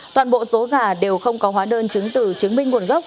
toàn bộ số gà đều không có hóa đơn chứng tử chứng minh nguồn gốc